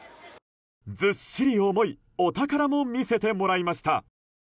ずっしり重いお宝も見せてもらいました。